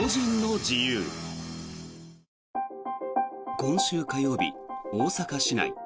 今週火曜日、大阪市内。